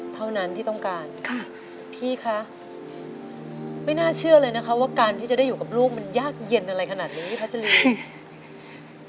เท่านั้นที่ต้องการค่ะพี่คะไม่น่าเชื่อเลยนะคะว่าการที่จะได้อยู่กับลูกมันยากเย็นอะไรขนาดนี้พี่พัชรี